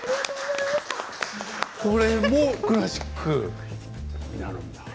これもクラシックになるんだ。